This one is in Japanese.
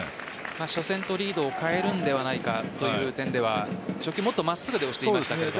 初戦とリードを変えるのではないかという点では初球、もっと真っすぐで押していましたけど。